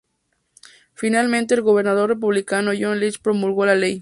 Finalmente, el gobernador republicano John Lynch promulgó la ley.